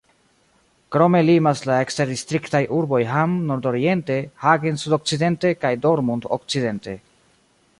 Krome limas la eksterdistriktaj urboj Hamm nordoriente, Hagen sudokcidente kaj Dortmund okcidente.